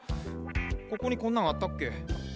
ここにこんなんあったっけ？